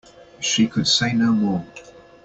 She could say no more.